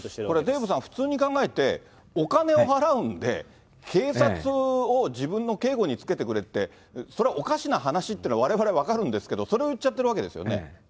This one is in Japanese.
これ、デーブさん、普通に考えて、お金を払うんで、警察を自分の警護につけてくれって、それはおかしな話っていうのはわれわれ分かるんですけど、それを言っちゃってるわけですよね。